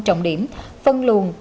trọng điểm phân luồn